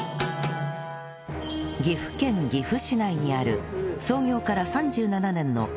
岐阜県岐阜市内にある創業から３７年の和菓子処緑水庵